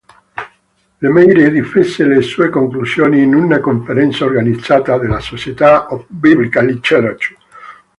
Lemaire difese le sue conclusioni in una conferenza organizzata dalla Society of Biblical Literature.